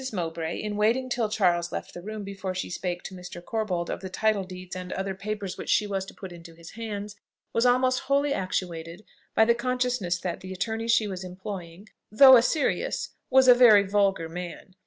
Mowbray, in waiting till Charles left the room before she spake to Mr. Corbold of the title deeds and other papers which she was to put into his hands, was almost wholly actuated by the consciousness that the attorney she was employing (though a serious) was a very vulgar man.